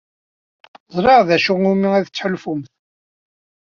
Ẓriɣ d acu umi la tettḥulfumt.